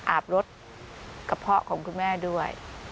อาบรถกระเพาะของคุณแม่ด้วย